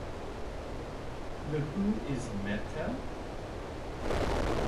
The Who is Meta?